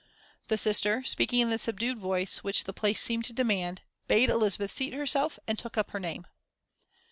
The sister, speaking in the subdued voice which the place seemed to demand, bade Elizabeth seat herself and took up her name.